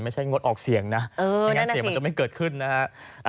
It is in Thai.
งดออกเสียงนะไม่งั้นเสียงมันจะไม่เกิดขึ้นนะฮะ